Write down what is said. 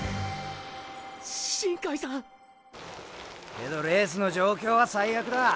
けどレースの状況はサイアクだ。